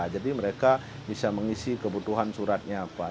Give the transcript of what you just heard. jadi mereka bisa mengisi kebutuhan suratnya apa